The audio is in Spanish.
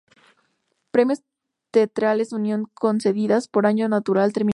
Premios teatrales Unión concedidas por año natural terminaron.